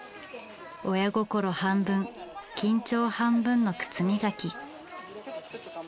親心半分緊張半分の靴磨き。